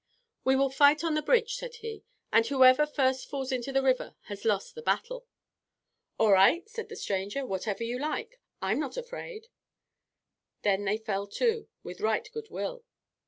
"We will fight on the bridge," said he, "and whoever first falls into the river has lost the battle." "All right," said the stranger. "Whatever you like. I'm not afraid." Then they fell to, with right good will.